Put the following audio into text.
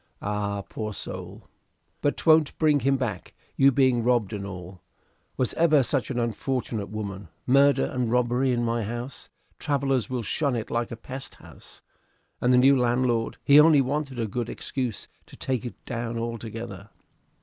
"Ay, poor soul. But 'twont bring him back, you being robbed and all. Was ever such an unfortunate woman? Murder and robbery in my house! Travellers will shun it like a pest house. And the new landlord he only wanted a good excuse to take it down altogether."